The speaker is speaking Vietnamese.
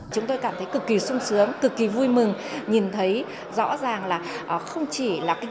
chúng tôi cảm thấy cực kỳ sung sướng cực kỳ vui mừng nhìn thấy rõ ràng là không chỉ là